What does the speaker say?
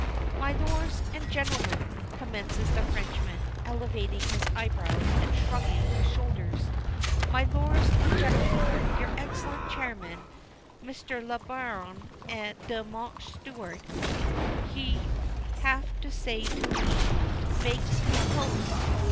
"MILORS AND GENTLEMANS!" commences the Frenchman, elevating his eyebrows, and shrugging his shoulders. "Milors and Gentlemans You excellent chairman, M. le Baron de Mount Stuart, he have say to me, 'Make de toast.'